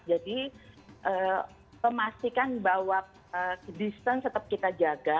jadi memastikan bahwa distance tetap kita jaga